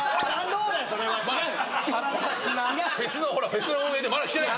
フェスの運営でまだ来てない。